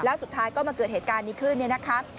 แล้วสุดท้ายก็มาเกิดเหตุการณ์นี้ขึ้นเนี่ยนะคะ